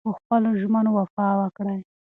پخپلو ژمنو وفا وکړئ.